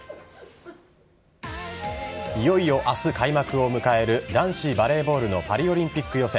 いよいよ明日、開幕を迎える男子バレーボールのパリオリンピック予選。